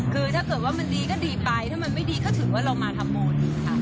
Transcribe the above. คือถ้าเกิดว่ามันดีก็ดีไปถ้ามันไม่ดีก็ถือว่าเรามาทำบุญค่ะ